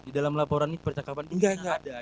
di dalam laporan ini percakapan enggak ada